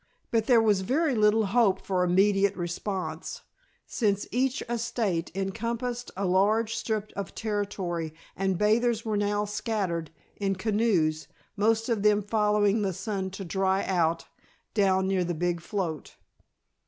But there was very little hope for immediate response, since each estate encompassed a large strip of territory and the bathers were now scattered, in canoes, most of them following the sun to dry out, down near the big float.